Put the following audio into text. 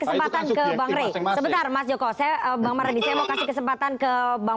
kesempatan ke bangre masyarakat mas joko saya bang mardhani saya mau kasih kesempatan ke bang